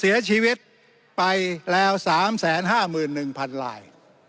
เสียชีวิตไปแล้ว๓๕๑๐๐๐ลาย